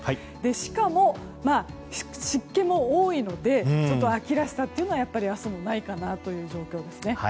しかも、湿気も多いのでちょっと秋らしさというのは明日もないかなという状況ですね。